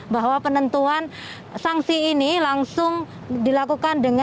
bahwa penentuan sanksi ini langsung dilakukan